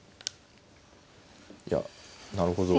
いやなるほど。